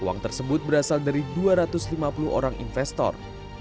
uang tersebut berasal dari dua ratus lima puluh orang investor